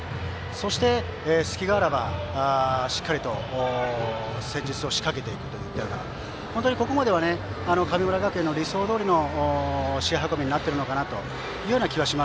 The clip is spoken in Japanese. そして、隙があらばしっかりと戦術を仕掛けていくといったような本当にここまでは神村学園の理想どおりの試合運びになっているのかなと。